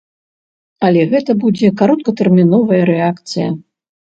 Але гэта будзе кароткатэрміновая рэакцыя.